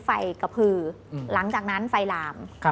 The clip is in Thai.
ไฟกระพือหลังจากนั้นไฟหลาม